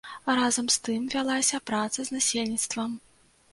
Разам з тым вялася праца з насельніцтвам.